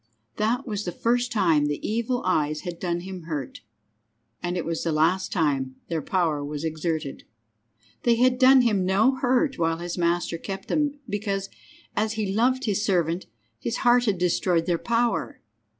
That was the first time the evil eyes had done him hurt, and it was the last time their power was exerted. They had done him no hurt while his master kept them, because, as he loved his servant, his heart had destroyed their power.